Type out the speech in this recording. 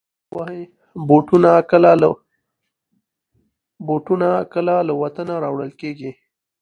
بوټونه کله له وطنه راوړل کېږي.